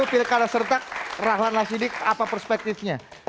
dua ribu dua puluh pilkada serta rahlan nasidik apa perspektifnya